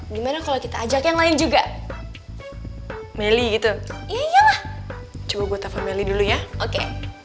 gimana kalau kita ajak yang lain juga melih itu ya coba gue telfon dulu ya oke